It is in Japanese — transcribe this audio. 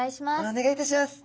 お願いいたします。